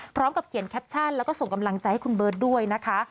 พร้อมกับเขียนแคปชั่นแล้วก็ส่งกำลังใจให้คุณเบิร์ตด้วยนะคะ